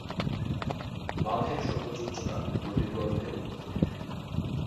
বাঁধের সর্বোচ্চ উচ্চতা নদীগর্ভের উপরে।